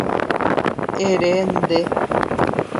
Ere nde.